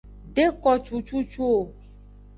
De ko cucucu o.